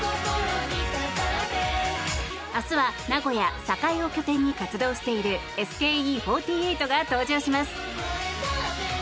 明日は名古屋栄を拠点に活動しているＳＫＥ４８が登場します。